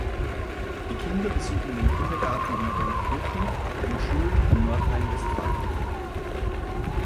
Die Kinder besuchen den Kindergarten in Bontkirchen und Schulen in Nordrhein-Westfalen.